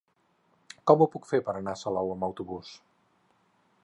Com ho puc fer per anar a Salou amb autobús?